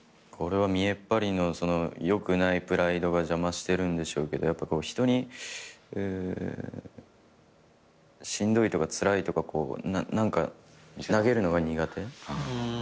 これは見えっ張りの良くないプライドが邪魔してるんでしょうけどやっぱ人にしんどいとかつらいとかこう何か投げるのが苦手。